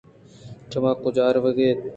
شُما کُج ءَ روگ ءَ اِت؟